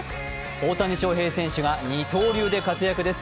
大谷翔平選手が二刀流で活躍です。